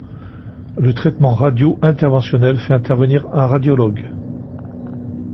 Le traitement radio-interventionnel fait intervenir un radiologue.